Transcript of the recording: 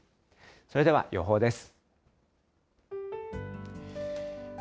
それでは予報です。